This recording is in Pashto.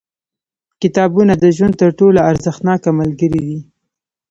• کتابونه د ژوند تر ټولو ارزښتناک ملګري دي.